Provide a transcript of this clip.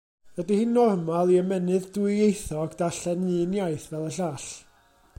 Ydy hi'n normal i ymennydd dwyieithog darllen un iaith fel y llall?